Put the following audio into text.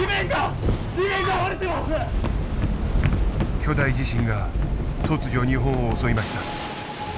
巨大地震が突如日本を襲いました。